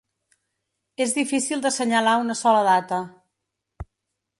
És difícil d’assenyalar una sola data.